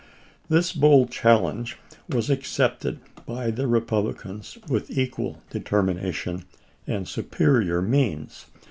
This bold challenge was accepted by the Repub licans with equal determination and superior means.